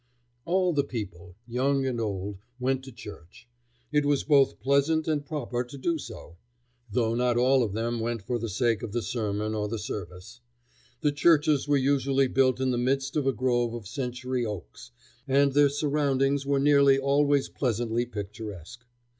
All the people, young and old, went to church; it was both pleasant and proper to do so, though not all of them went for the sake of the sermon or the service. The churches were usually built in the midst of a grove of century oaks, and their surroundings were nearly always pleasantly picturesque.